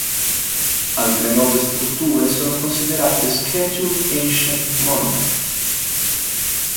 Altre nove strutture sono considerate Scheduled Ancient Monuments.